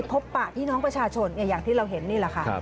ปะพี่น้องประชาชนอย่างที่เราเห็นนี่แหละค่ะ